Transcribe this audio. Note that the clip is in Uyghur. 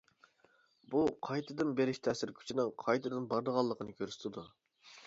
بۇ قايتىدىن بېرىش تەسىر كۈچىنىڭ قايتىدىن بارىدىغانلىقىنى كۆرسىتىدۇ.